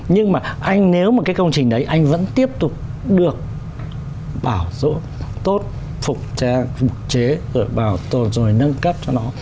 nhưng mà anh nếu mà cái công trình đấy anh vẫn tiếp tục được bảo dỗ tốt phục trang phục chế rồi bảo tồn rồi nâng cấp cho nó